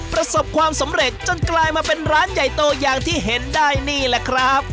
ประสบความสำเร็จจนกลายมาเป็นร้านใหญ่โตอย่างที่เห็นได้นี่แหละครับ